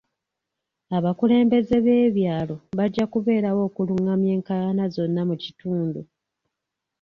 Abakulembeze b'ebyalo bajja kubeerawo okulungamya enkaayana zonna mu kitundu.